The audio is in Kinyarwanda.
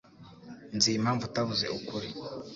Nzi impamvu utavuze ukuri